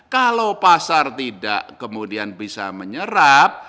kalau pasar tidak kemudian bisa menyerap